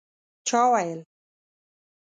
چا ویل